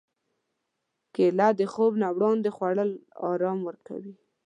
کېله د خوب نه وړاندې خوړل ارام ورکوي.